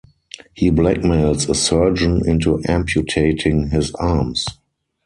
He blackmails a surgeon into amputating his arms.